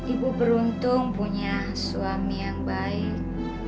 ibu beruntung punya suami yang baik